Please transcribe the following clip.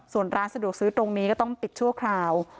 ส่วนร้านสะดวกซื้อตรงนี้ก็ต้องปิดชั่วคราว